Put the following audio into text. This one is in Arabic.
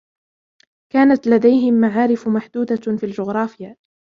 كانت لديهم معارف محدودة في الجغرافيا.